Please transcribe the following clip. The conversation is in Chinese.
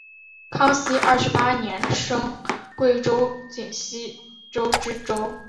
康熙二十八年升贵州黔西州知州。